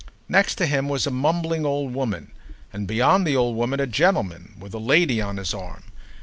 Next him was a mumbling old woman, and beyond the old woman a gentleman with a lady on his arm.